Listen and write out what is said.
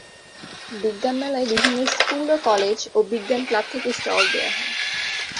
বিজ্ঞান মেলায় বিভিন্ন স্কুল ও কলেজ ও বিজ্ঞান ক্লাব থেকে স্টল দেয়া হয়।